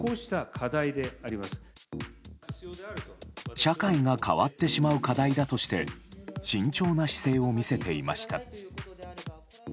社会が変わってしまう課題だとして慎重な姿勢を見せていました。